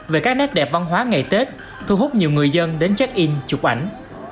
về các nét đẹp văn hóa ngày tết thu hút nhiều người dân đến check in chụp ảnh